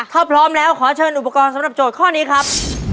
ถ้าพร้อมแล้วขอเชิญอุปกรณ์สำหรับโจทย์ข้อนี้ครับ